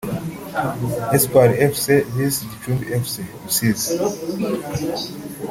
Espoir Fc vs Gicumbi Fc (Rusizi)